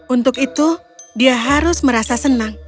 untuk itu dia harus merasa senang